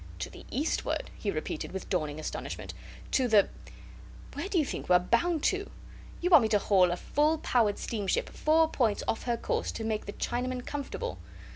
"To the eastward?" he repeated, with dawning astonishment. "To the ... Where do you think we are bound to? You want me to haul a full powered steamship four points off her course to make the Chinamen comfortable!